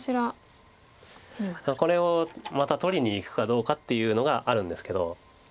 これをまた取りにいくかどうかっていうのがあるんですけど。